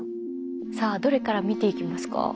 さあどれから見ていきますか？